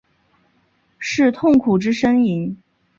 是痛苦之呻吟？